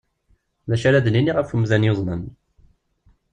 D acu ara d-nini ɣef umdan yuḍnen?